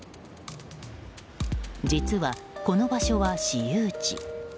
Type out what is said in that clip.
実は、この場所は私有地。